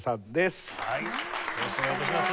はいよろしくお願い致します。